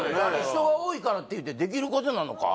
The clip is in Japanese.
人が多いからっていうてできることなのか？